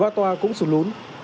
vỉa ba toa cũng sụn lún